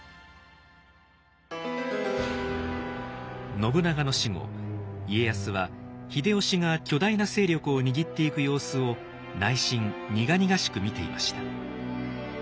信長の死後家康は秀吉が巨大な勢力を握っていく様子を内心苦々しく見ていました。